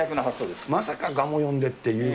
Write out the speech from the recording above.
まさかがもよんでっていう。